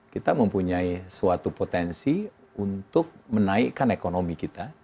kita mempunyai suatu potensi untuk menaikkan ekonomi kita